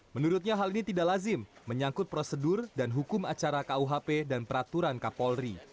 menurutnya hal ini tidak lazim menyangkut prosedur dan hukum acara kuhp dan peraturan kapolri